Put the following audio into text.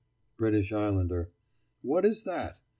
BRITISH ISLANDER: What is that?